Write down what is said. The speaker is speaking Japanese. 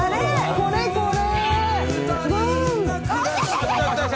これこれ！